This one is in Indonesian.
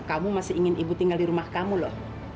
kamu masih ingin ibu tinggal di rumah kamu loh